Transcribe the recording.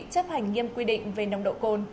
chấp hành nghiêm quy định về nồng độ cồn